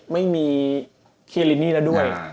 ไม่มีเคลินนี่แล้วด้วย